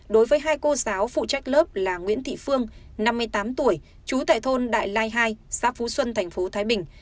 đối với hai cô giáo phụ trách lớp là nguyễn thị phương năm mươi tám tuổi trú tải thôn đại lai hai xã phú xuân thành phố thái bình